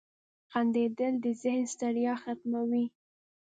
• خندېدل د ذهن ستړیا ختموي.